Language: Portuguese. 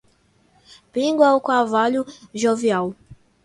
Pingo é o cavalo jovial